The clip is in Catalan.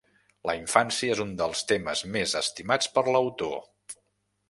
La infància és un dels temes més estimats per l'autor.